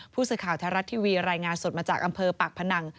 ผู้สื่อข่าวไทยรัฐทีวีรายงานสดมาจากอำเภอปากพนัง